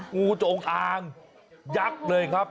งูจงอางยักษ์เลยครับ